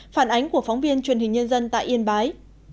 phản ánh của phóng viên truyền hình nhân dân tại yên bái